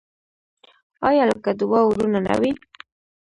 آیا لکه دوه ورونه نه وي؟